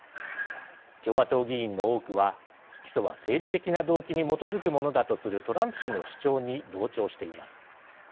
共和党議員の多くは起訴は政治的な動機に基づくものだとするトランプ氏の主張に同調しています。